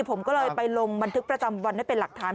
ผมก็เลยไปลงบันทึกประจำวันได้เป็นหลักฐาน